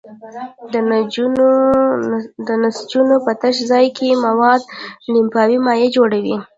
د نسجونو په تش ځای کې مواد لمفاوي مایع جوړوي.